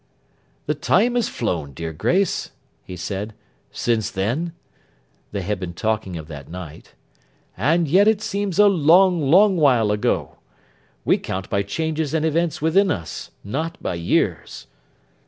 'The time has flown, dear Grace,' he said, 'since then;' they had been talking of that night; 'and yet it seems a long long while ago. We count by changes and events within us. Not by years.